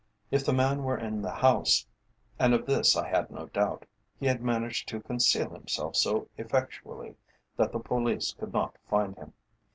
If the man were in the house and of this I had no doubt he had managed to conceal himself so effectually that the police could not find him.